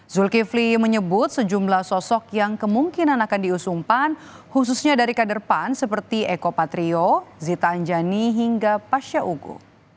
zulkifli menyebut sejumlah sosok yang kemungkinan akan diusumpan khususnya dari kaderpan seperti eko patrio zita anjani hingga pasya ugo